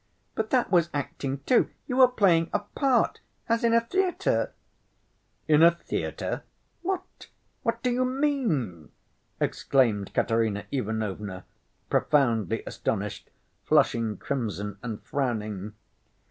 But that was acting, too—you were playing a part—as in a theater!" "In a theater? What? What do you mean?" exclaimed Katerina Ivanovna, profoundly astonished, flushing crimson, and frowning.